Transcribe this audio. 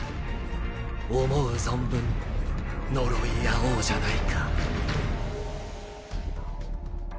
思う存分呪い合おうじゃないか。